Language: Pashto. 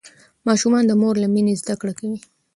ماشوم د مور له مينې زده کړه کوي.